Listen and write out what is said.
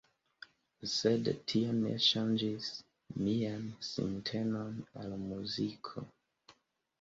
Sed tio ne ŝanĝis mian sintenon al muziko.